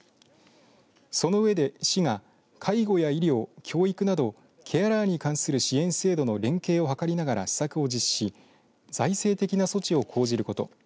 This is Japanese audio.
その上で、市が介護や医療、教育などケアラーに関する支援制度の連携を図りながら施策を実施し財政的な措置を講じること。